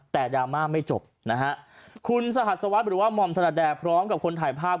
แต่ดราม่าไม่จบนะฮะคุณสหัสสวัสดิ์หรือว่าหม่อมธนาแดพร้อมกับคนถ่ายภาพ